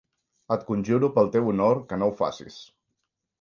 Et conjuro pel teu honor que no ho facis.